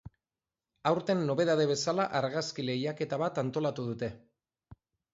Aurten nobedade bezala argazki lehiaketa bat antolatu dute.